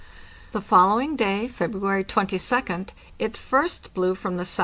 The following day, February 22d, it first blew from the S.S.